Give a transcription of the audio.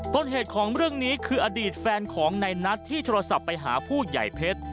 ต้นเหตุของเรื่องนี้คืออดีตแฟนของในนัทที่โทรศัพท์ไปหาผู้ใหญ่เพชร